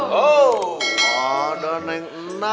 udah ada saya yang buka